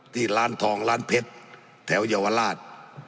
ที่ร้านทองร้านเพชรแถวเยาวราช